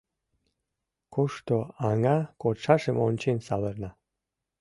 Кушто аҥа кодшашым ончен савырна.